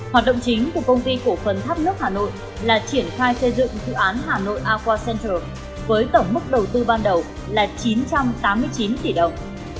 hoạt động chính của công ty cổ phần tháp nước hà nội là triển khai xây dựng dự án hà nội awac central với tổng mức đầu tư ban đầu là chín trăm tám mươi chín tỷ đồng